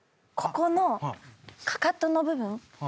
ここのかかとの部分。